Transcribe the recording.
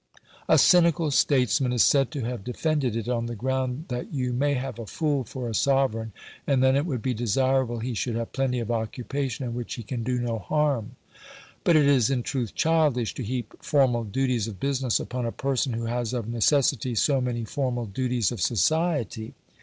A cynical statesman is said to have defended it on the ground "that you MAY have a fool for a sovereign, and then it would be desirable he should have plenty of occupation in which he can do no harm". But it is in truth childish to heap formal duties of business upon a person who has of necessity so many formal duties of society.